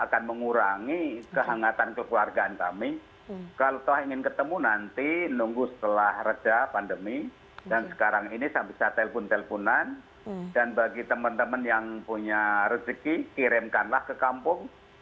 kesehatan kita itu diri kita masing masing